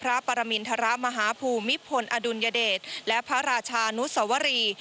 พระปรมินทรมาฮภูมิพลอดุลยเดชและพระราชานุสวรี